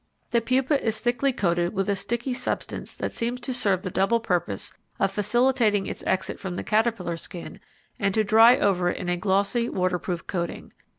The pupa is thickly coated with a sticky substance that seems to serve the double purpose of facilitating its exit from the caterpillar skin and to dry over it in a glossy waterproof coating.